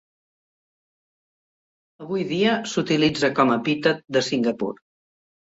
Avui dia s'utilitza com a epítet de Singapur.